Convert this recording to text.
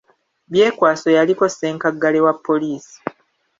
Byekwaso yaliko ssenkaggale wa poliisi.